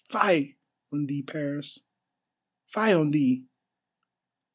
Fie on thee, Paris! fie on thee!